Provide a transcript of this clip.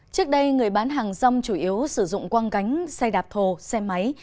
trước đây người bán hàng rong chủ yếu sử dụng quang cánh xe đạp thồ xe máy